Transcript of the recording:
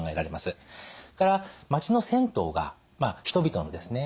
それから街の銭湯が人々のですね